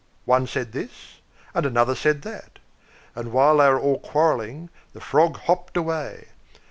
One said this, and another said that; and while they were all quarrelling, the frog hopped away.